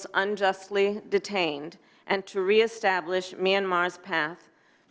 dan untuk mengembangkan semua orang yang tidak benar benar ditahan